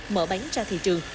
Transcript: mở bán ra thị trường